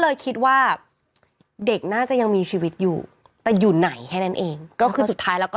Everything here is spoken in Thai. เลยคิดว่าเด็กน่าจะยังมีชีวิตอยู่แต่อยู่ไหนแค่นั้นเองก็คือสุดท้ายแล้วก็